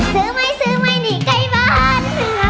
ซื้อไหมซื้อไหมหนีไก่บน